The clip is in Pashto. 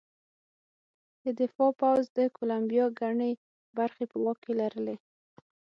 د دفاع پوځ د کولمبیا ګڼې برخې په واک کې لرلې.